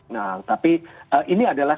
nah tapi ini adalah